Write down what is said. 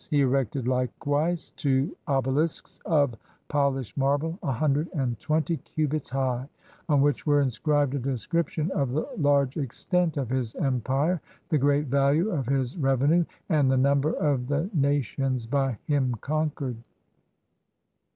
He erected likewise two obelisks of poHshed marble, a hundred and twenty cu bits high, on which were inscribed a description of the large extent of his empire, the great value of his rev enue, and the number of the nations by him conquered.